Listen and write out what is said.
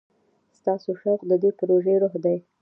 ستاسو شوق د دې پروژې روح دی.